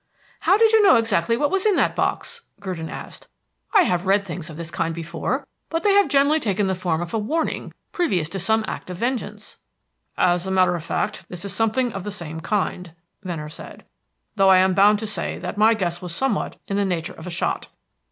"How did you know exactly what was in that box?" Gurdon asked. "I have read things of this kind before, but they have generally taken the form of a warning previous to some act of vengeance." "As a matter of fact, this is something of the same kind," Venner said; "though I am bound to say that my guess was somewhat in the nature of a shot.